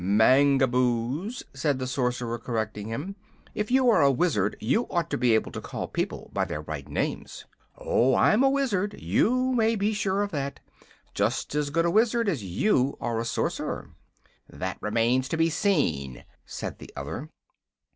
"Mangaboos," said the Sorcerer, correcting him. "If you are a Wizard you ought to be able to call people by their right names." "Oh, I'm a Wizard; you may be sure of that. Just as good a Wizard as you are a Sorcerer." "That remains to be seen," said the other.